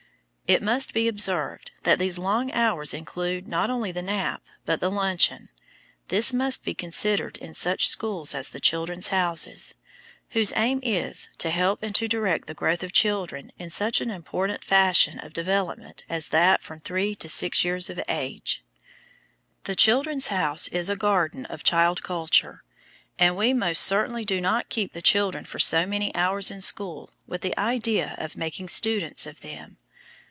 It must be observed that these long hours include not only the nap, but the luncheon. This must be considered in such schools as the "Children's Houses," whose aim is to help and to direct the growth of children in such an important period of development as that from three to six years of age. The "Children's House" is a garden of child culture, and we most certainly do not keep the children for so many hours in school with the idea of making students of them!